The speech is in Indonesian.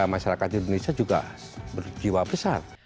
masyarakat indonesia juga berjiwa besar